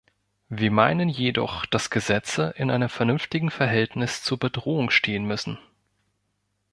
Wir meinen jedoch, dass Gesetze in einem vernünftigen Verhältnis zur Bedrohung stehen müssen.